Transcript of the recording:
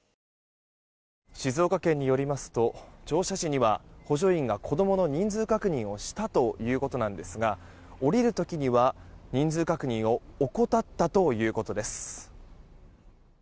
静岡県によりますと乗車時には補助員が子供の人数確認をしたということですが降りる時には人数確認を怠ったということです。